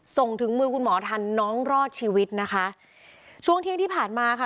ส่งถึงมือคุณหมอทันน้องรอดชีวิตนะคะช่วงเที่ยงที่ผ่านมาค่ะ